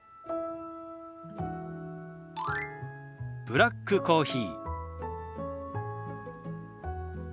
「ブラックコーヒー」。